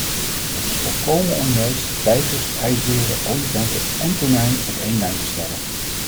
Het is volkomen onjuist tijgers, ijsberen, olifanten en tonijn op één lijn te stellen.